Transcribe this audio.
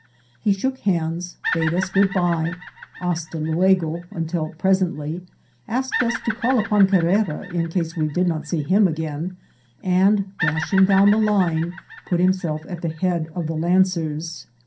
He shook hands, bade us good by, hasta luego (until presently), asked us to call upon Carrera in case we did not see him again, and dashing down the line, put himself at the head of the lancers.